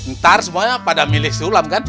ntar semuanya pada milih sulam kan